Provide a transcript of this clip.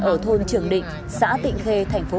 ở thôn trường định xã tịnh khê tp hcm